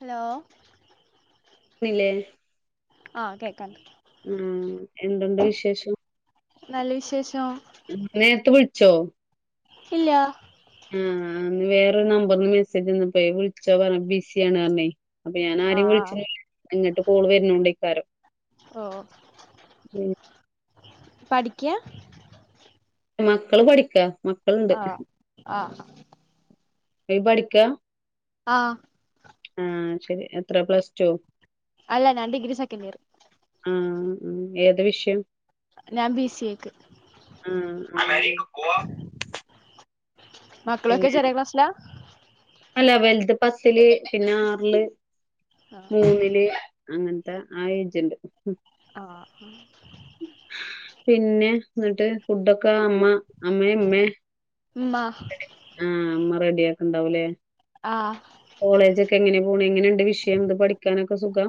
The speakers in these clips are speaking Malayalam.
അലോ ന്നില്ലേ അ കേക്കാം കേക്ക ഉം എന്തുണ്ടുവിശേഷം നല്ല വിശേഷം നേരത്ത് വിളിച്ചോ ഇല്ലാ ഉം വേറൊരു നമ്പർന്ന് മെസ്സേജ് വന്നപ്പഴെ വിളിച്ചോ പറ ബിസിയാന്ന് പറഞ്ഞേ അപ്പ ഞാനാ ആഹ് പരേം ആഹ് വിളിച്ചില്ല ഇങ്ങിട്ട് കോള് വരുന്നുണ്ടെനിക്കാരോ ഓ പഠിക്കാ മക്കള് പഠിക്കാ മ അ ആ ഏ പഠിക്കാ ആ ആ ശരി എത്രേ പ്ലസ്ടു അല്ല ഞാൻ ഡിഗ്രി സെക്കന്റിയറ് ആ ഏത് വിഷയം ഞാൻ ബി സി എക്ക് അ [unintelligible] മക്കളൊക്കെ പിന്നെ ചെറിയ ക്ലാസിലാ അല്ല വലുത് പത്തില് പിന്നെ ആറില് ആഹ് ആഹ് മൂന്നില് അങ്ങനത്ത ആ ഏജണ്ട് ആ പിന്നെ എന്നിട്ട് ഫുഡൊക്ക അമ്മ അമ്മേ ഉമ്മേ ഉമ്മ ആ ഉമ്മ റെഡിയാക്കുണ്ടാവൂല്ലേ ആ കോളേജക്കെങ്ങനെ പോണ് എങ്ങനെയൊണ്ട് വിഷയം ഇത് പഠിക്കാനൊക്കെ സുഖാ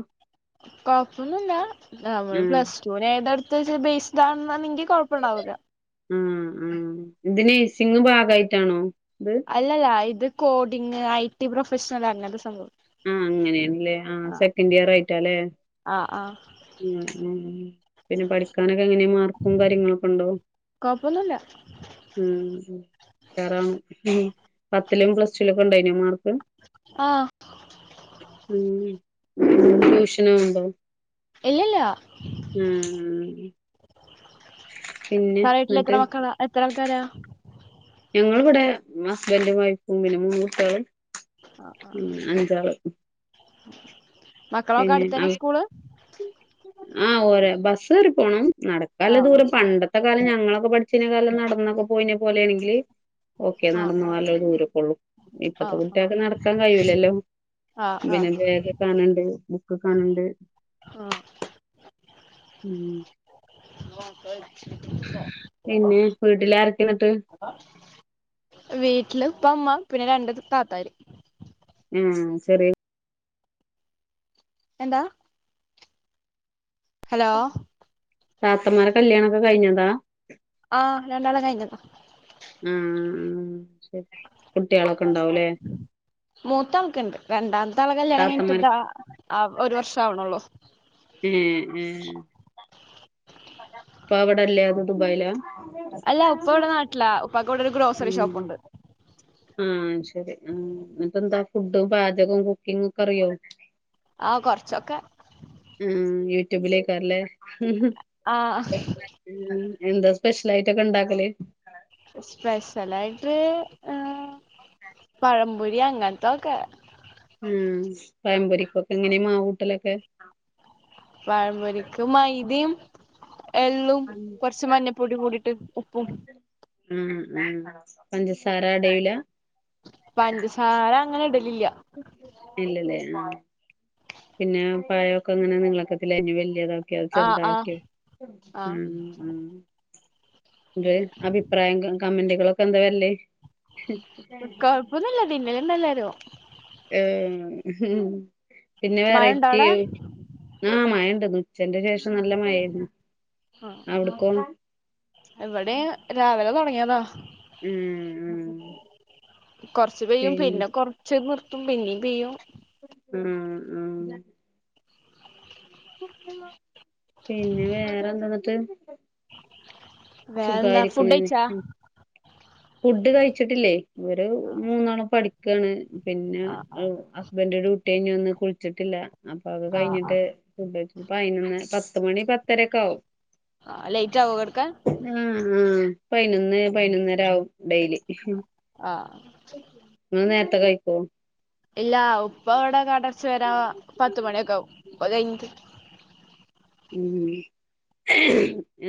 കൊഴപ്പൊന്നുല്ലാ നമ്മള് ആഹ് പ്ലസ്ടൂനതെടുത്തവെച്ചാ ബേസ്ഡാണെന്നുണ്ടെങ്കി കൊഴപ്പണ്ടാവൂല അ ആ ഇത് നേഴ്‌സിങ്ങ് ഭാഗയിട്ടാണോ ഇത് അല്ലല്ല ഇത് കോഡിങ് ഐടി പ്രൊഫഷണൽ അങ്ങനത്തെ സംഭവം ആ അങ്ങനെയണല്ലേ ആ സെക്കൻഡിയറായിട്ടാല്ലേ ആ ആ ഉം ഉം പിന്നെ പഠിക്കാനൊക്കെങ്ങനാ മാർക്കും കാര്യങ്ങളൊക്കുണ്ടോ കൊപ്പോന്നുല്ല ഉം ഉം വേറേ മ്മ് പത്തിലും പ്ലസ്ടൂലൊക്കണ്ടായിരുന്നോ മാർക്ക്‌ [inaudible] ആ ഉം കൺഫ്യൂഷനാവ്ണ്ടോ? ആയി തറവാട്ടിവീട്ടില് എത്ര എന്നിട്ട് മക്കളാ എത്ര ആൾക്കാരാ? ഞങ്ങളിവിടെ ഹസ്ബൻറും വൈഫും പിന്നെ മൂന്ന് കുട്ടിയളും ആഹാ ഉം അഞ്ചാള് [inaudible] മക്കളൊക്കെ പിന്നെ അടുത്തന്നെ സ്കൂള് ആ ഓര ബസ് കേറി പോണം നട ക്കാള്ള ആഹ് ദൂരം പണ്ടത്ത കാലം ഞങ്ങളൊക്കെ പഠിച്ചീനകാലം നടന്നൊക്കെ പോയിനെ പോലൊണെങ്കില് ഓക്കെ ആഹ് ആഹ് നടന്നുപോവാളെള ദൂരൊപ്പുള്ളു, ഇപ്പൊത്തെ ആഹ് ആഹ് കുട്ട്യാൾക്ക് നടക്കാൻ കയ്യൂലല്ലോ. ആഹ് ആഹ് [inaudible] കാണേണ്ട് ബുക്കൊക്കേ കാണേണ്ട് ആഹ് [inaudible] മ് ഇന്ന് ഒൻക്കലെനി പിന്നെ! വീട്ടില് ആരൊക്കേ എന്ന്ട്ട് [inaudible] വീട്ട്ല് ഇപ്പ ഇമ്മ പിന്നെ രണ്ട് താത്താര് ഹ്‌മ് ചെറിയ എന്താ ഹലോ [inaudible] താത്തമ്മാരെ കല്യാണൊക്കേ കഴിഞ്ഞതാ ആഹ് രണ്ടാളെ കഴിഞ്ഞതാ ആ ആ ശരിന്നാ കുട്ട്യളൊക്കെ ഇണ്ടാവുലെ. മൂത്താൾക്ക്, രണ്ടാത്തെളാടെ കല്യാണ കഴിഞ്ഞട്ട് താത്തമാര് പ്‌റാആ ഒരു വർഷാവുണുളൂ ഈഹ് ഇപ്പാ അവടെ ഇല്ലേ ദുബായിലാ അല്ല ഉപ്പാ ഇവടെ നാട്ടിലാ ഉപ്പാക്ക് ഇവടെ ഒര് ഗ്രോസറി ഉം ഷോപ്പുണ്ട് ആഹ് ശരി ആ ഇങ്ങക്കെന്താ ഫുഡും പാചകും കുക്കിങ്ങൊക്കേ അറിയോ? ആ കൊർച്ചൊക്കേ മ് മ് യൂട്യൂബിലേക്കാരല്ലേ ആഹ് ഉം എന്താ സ്പെഷ്യലായിട്ടൊക്കെ ഇണ്ടാക്കല് സ്പെഷ്യലായിട്ട് ഹ് പഴം പൊരി അങ്ങൻ ത്തൊക്കേ ഉം, പഴമ്പൊരിക്കൊക്കേ എങ്ങനെ മാവൂട്ടലൊക്കേ പഴമ്പൊരിക്ക് മൈദീം എളളും കൊർചേ മഞ്ഞപൊടിം കൂടിട്ട് ഉപ്പും ഉം ഉം പഞ്ചസാര ആടേയൂലാ പഞ്ചസാര അങ്ങനെ ഇടലില്ലാ ഇല്ലല്ലേ പിന്നെ പഴോക്കെ അങ്ങനെ നിളാക്കത്തിലാഅരിഞ്ഞ്‌ വല്ല്യതാ ഇൻക്യത് ആഹ് ആഹ് ചെറുതാക്ക്യാ ആഹ് ആഅ ങ്ങ്ട് അഭിപ്രായം കമ കമന്റുകളൊക്കെ എന്താ വരല് കൊയപ്പന്നൂല്യ പിന്നേ ഇണ്ട് എല്ലാരും ഉം പിന്നെ മഴ ഇണ്ടോ അവിടെ വെറൈറ്റിം ആഹ്! മഴ്യാ ഇണ്ട്. ഇന്ന് ഉച്ചെൻ്റെ ശേഷം നല്ല മഴായാര്ന്ന് ആഹ് അവട്ക്കോ? ഇവിടെയും [inaudible] രാവിലെ തൊടങ്ങിയതാ ഉം ഉം കൊർച്ച് പെയ്യും പിന്നെ കൊറച്ച് നിർത്തും പിന്നേം പെയ്യും ഉം ഉം [inaudible] എങ്ങനെ വേറെന്താ ഇന്നട്ട് വേറെന്താ ഫുഡ് സുഖായിരിക്കണ് കയിച്ചാ ഫുഡ് കയ്ച്ചിട്ടില്ലേ. വെര് ആഹ് മൂന്നാളും പഠിക്കാണ്. പിന്നെ ആഹ് ഹേ ഹസ് ബൻ്റ് ഡ്യൂട്ടിയിഞ്ഞ് വന്ന് കുളിച്ചിട്ടില്ല. അപ്പൊ അഒക്കെ ആഹ് ആഹ് കയിഞ്ഞിട്ട് ആഹ് ഫുഡ് കയിച്ച് പൈനൊന്ന, പത്ത് മണി പത്തരൊക്ക ആവും. ആഹ്. ലൈറ്റാവൊ കെടക്കാൻ? ആഹ് ആഹ്. പൈനൊന്ന്, പൈനൊന്നരാവും ടെയ്ലി. ആഹ്. ന്ന് നേരത്തെ കയിക്കൊ? ഇല്ലാ. ഉപ്പ വടെ കട അട്ച്ച് വരാൻ പത്തുമണിയൊക്കെ ആവും. പ്പൊ അകയിഞ്ഞിട്ട് മ്.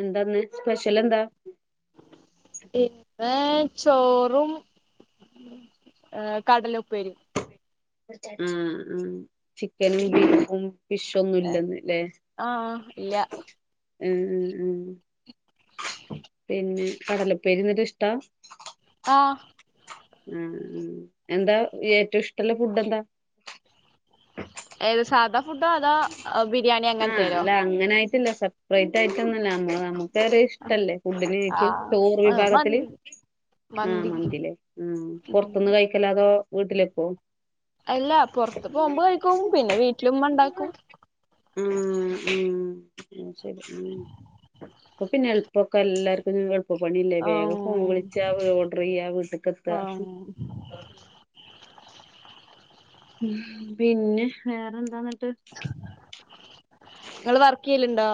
എന്താന്ന്? സ്പെഷ്യലെന്താ? ഇപ്പാ ചോറും ഏ കടലുപ്പേരിം. മ്. മ് ചിക്കനും ബീഫും ഫിഷൊന്നും ഇല്ലെന്ന് ലെ? ആഹ് ഇല്ല ആഹ്. ആഹ്. ആഹ് പിന്നെ? കടലുപ്പേരിന്നിട്ടിഷ്ടാ? ആഹ്. ആഹ്. മ്. മ് എന്താ ഏറ്റൊം ഇഷ്ട്ടള്ള ഫുഡ്ഡ ന്താ? ഏത്? സാധാ ഫുഡോ അതോ? ആഹ് ബിരിയാണി അഹ്. അങ്ങനത്തേലോ അല്ല അങ്ങനെ ആയിട്ടില്ല. സ റേറ്റ് ആയിട്ടൊന്നല്ല. അമ്മള് നമുക്കൊരു ഇഷ്ടല്ലേ ഫുഡിന് ചോറ് ആഹ് വിഭാഗത്തില് മന്തി ആഹ് മന്തി മന്തിലെ. മ്. ഉം പൊറത്ത്ന്ന് കഴിക്കലാ അതോ വീട്ടിലെക്കൊ? അല്ല പൊറത്ത് പോമ്പൊ കഴിക്കും. പിന്നെ വീട്ടില് മ്മണ്ടാക്കും. മ് മ് മ് മ് ശരി മ് പ്പൊ പിന്നെ എൾപ്പൊക്കെ എല്ലാർക്കും വെൾ ഇപ്പ പണില്ലേ. വേഗം ഫോൺ ആഹ് വിളിച്ചാ, ഓഡ്റെയ്യാ, വീട്ട്ക്ക് എത്താ. ആഹ് മ് പിന്നെ വേറെന്താന്നിട്ട്? ങ്ങള് വർക്കിയ്യല്ണ്ടോ?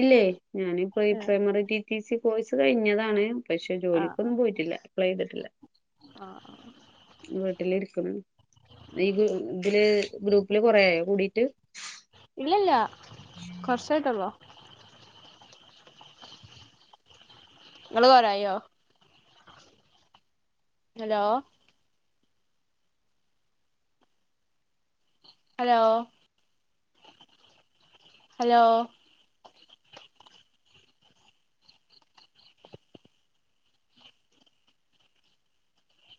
ഇല്ലേ. ഞാനിപ്പം ഈ ആഹ് primary T. T. C course കഴിഞ്ഞതാണ്. പക്ഷെ ജോലിക്കൊന്നും പോയിട്ടില്ല. അപ്ലൈ യ്തിട്ടില്ല. ആഹ് ആഹ് ആഹ് വീട്ടില് ഇരിക്ക്ന്ന് ഈ ഗ്രൂ ത്‌ല് ഗ്രൂപ്പില് കൊറേയോ കൂടീട്ട്? ഇല്ലല്ലാ വർഷായിട്ടോള്ളോ ങ്ങള് കൊറേ ആയ്യോ? Hello hello hello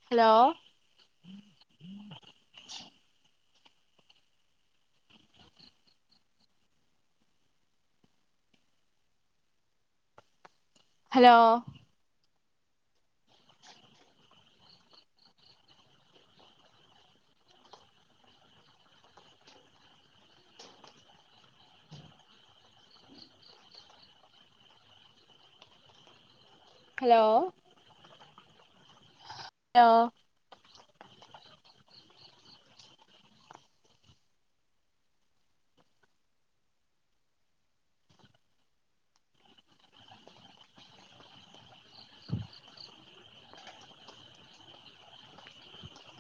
hello hello hello ലോ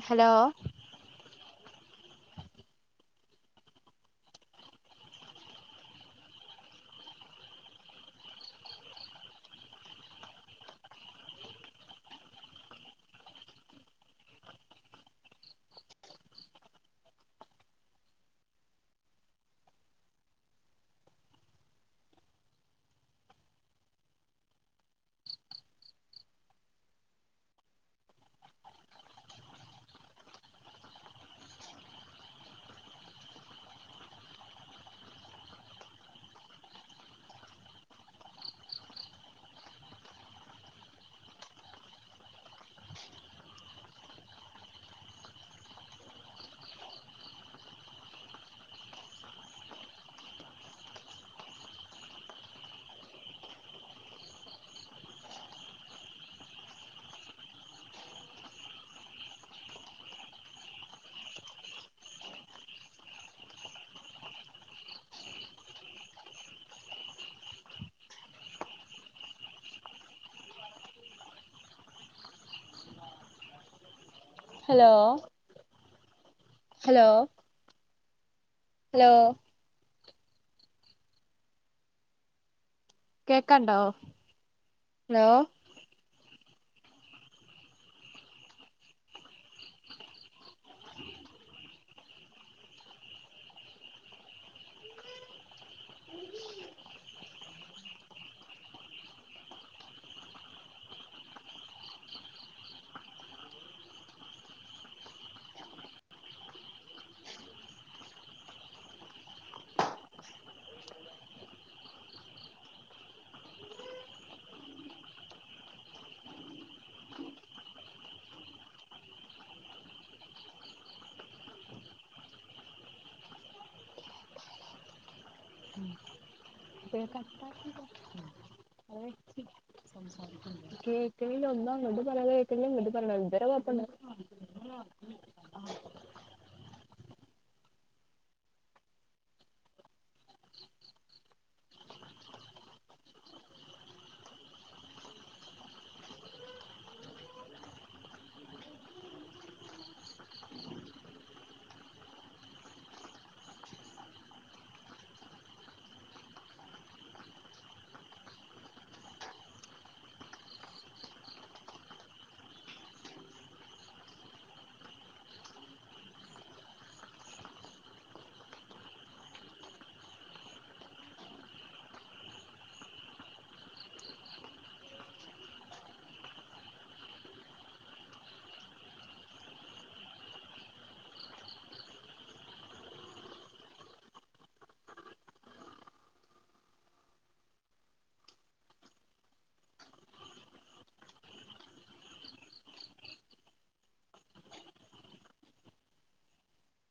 ഹലോ ഹലോ ഹലോ ഹലോ കേക്കാണ്ടോ? ഹലോ കേക്കാ [unintelligible] ഹലോ [unintelligible] സംസാരിക്ക [unintelligible] കേക്കണില്ലൊന്നും അങ്ങൊട്ടും പറയാന്ന കേക്കണില്ല. ഇങ്ങട്ടും പറയിണ ഇതരെ കൊഴപ്പണ്ട് [inaudible]